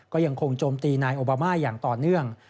ก็ยังคงโจมตีนายโอบามาอย่างต่อเนื่อง